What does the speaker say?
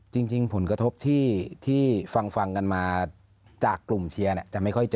จริงผลกระทบที่ฟังกันมาจากกลุ่มเชียร์จะไม่ค่อยเจอ